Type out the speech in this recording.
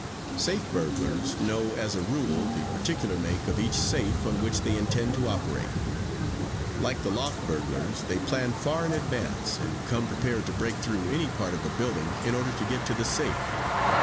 "Safe burglars know as a rule the particular make of each safe on which they intend to operate. Like loft burglars they plan far in advance and come prepared to break through any part of a building in order to get to the safe.